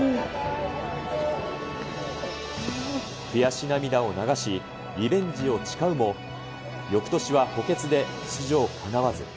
悔し涙を流し、リベンジを誓うも、よくとしは補欠で出場かなわず。